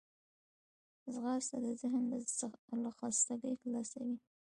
ځغاسته د ذهن له خستګي خلاصوي